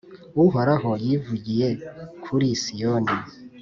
Uhoraho yivugiye kuri Siyoni,